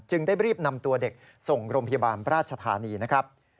ได้รีบนำตัวเด็กส่งโรงพยาบาลราชธานีนะครับ